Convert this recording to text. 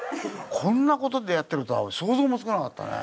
こんな事でやってるとは想像もつかなかったね。